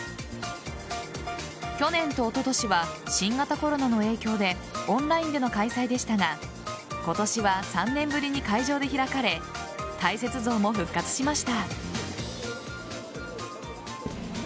去年とおととしは新型コロナの影響でオンラインでの開催でしたが今年は、３年ぶりに会場で開かれ大雪像も復活しました。